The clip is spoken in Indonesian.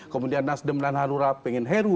kemudian nasdem dan harurat pengen heru